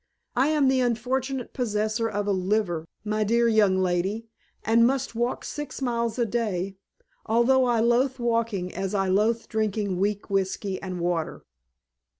I am the unfortunate possessor of a liver, my dear young lady, and must walk six miles a day, although I loathe walking as I loathe drinking weak whiskey and water."